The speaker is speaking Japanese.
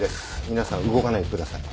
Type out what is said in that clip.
皆さん動かないでください。